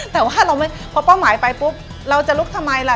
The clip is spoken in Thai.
แต่ว่าเราไม่พอเป้าหมายไปปุ๊บเราจะลุกทำไมล่ะ